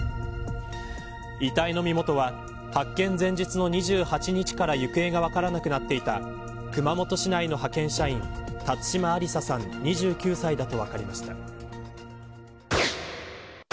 遺体の身元は発見前日の２８日から行方が分からなくなっていた熊本市内の派遣社員辰島ありささん２９歳だと分かりました。